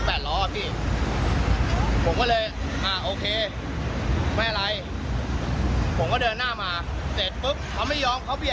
ใช่พี่ผมก็เลยไปบอกว่าพี่เป็นไรเนี่ย